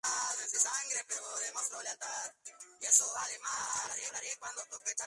Ha sido lugar de congresos y agitación obrera.